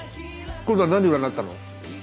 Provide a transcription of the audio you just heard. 今度は何占ったの？